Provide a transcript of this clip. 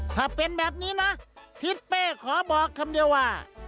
ถ้าเป็นแบบนี้นะทิศเป้ขอบอกคำเดียวว่า